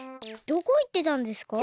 どこいってたんですか？